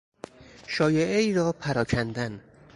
شایعهای را پراکندن